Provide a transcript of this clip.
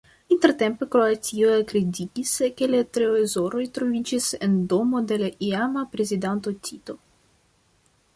Intertempe Kroatio kredigis, ke la trezoroj troviĝis en domo de la iama prezidanto Tito.